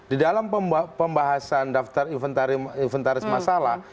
di dalam pembahasan daftar inventaris masalah